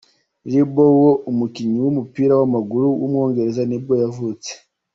Lee Bowyer, umukinnyi w’umupira w’amaguru w’umwongereza nibwo yavutse.